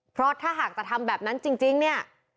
เพราะถ้าหากจะทำแบบนั้นจริงเนี่ย